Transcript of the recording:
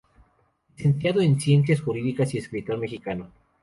Licenciado en Ciencias Jurídicas y escritor mexicano.